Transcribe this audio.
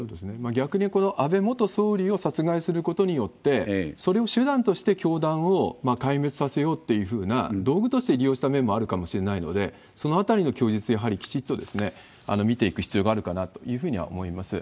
逆にこの安倍元総理を殺害することによって、それを手段として教団を壊滅させようっていうふうな、道具として利用した面もあるかもしれないので、そのあたりの供述、やはりきちっと見ていく必要があるかなというふうには思います。